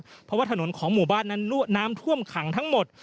เพราะว่าถนนของหมู่บ้านนั้นน้ำท่วมขังทั้งหมด